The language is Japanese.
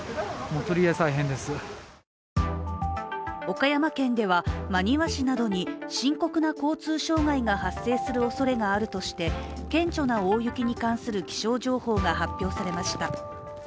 岡山県では、真庭市などに深刻な交通障害が発生するおそれがあるとして顕著な大雪に関する気象情報が発表されました。